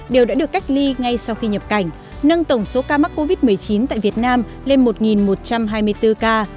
đều đã được cách ly ngay sau khi nhập cảnh nâng tổng số ca mắc covid một mươi chín tại việt nam lên một một trăm hai mươi bốn ca